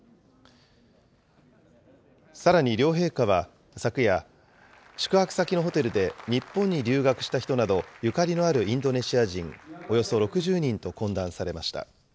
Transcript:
さらに両陛下は昨夜、宿泊先のホテルで、日本に留学した人などゆかりのあるインドネシア人およそ６０人と懇談されました。